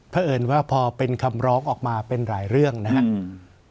เพราะเอิญว่าพอเป็นคำร้องออกมาเป็นหลายเรื่องนะครับ